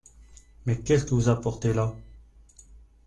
Mais qu’est-ce que vous apportez-là ?